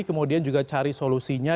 kemudian juga cari solusinya